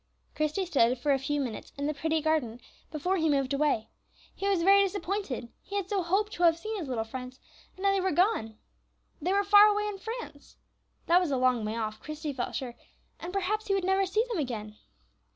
Christie stood for a few minutes in the pretty garden before he moved away. He was very disappointed; he had so hoped to have seen his little friends, and now they were gone. They were far away in France. That was a long way off, Christie felt sure, and perhaps he would never see them again.